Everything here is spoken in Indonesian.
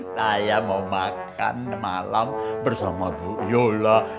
saya mau makan malam bersama bu yolo